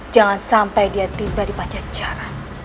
jangan sampai dia tiba di pacaran